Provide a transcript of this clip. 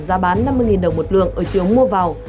giá bán năm mươi đồng một lượng ở chiều mua vào